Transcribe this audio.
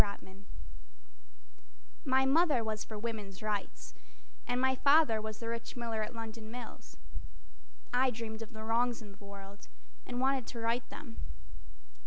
Oaks Tutt My mother was for woman's rights And my father was the rich miller at London Mills. I dreamed of the wrongs of the world and wanted to right them.